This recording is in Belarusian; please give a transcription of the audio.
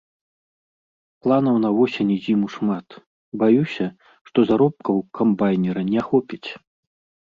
Планаў на восень і зіму шмат, баюся, што заробкаў камбайнера не хопіць.